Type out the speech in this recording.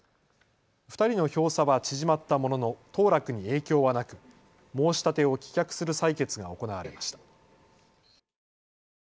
２人の票差は縮まったものの当落に影響はなく申し立てを棄却する裁決が行われました。